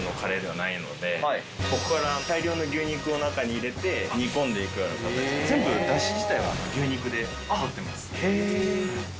ここから大量の牛肉を中に入れて煮込んで行くような形で全部ダシ自体は牛肉で取ってます。